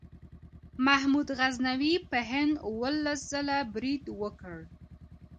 محمود غزنوي په هند اوولس ځله برید وکړ.